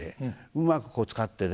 うまく使ってね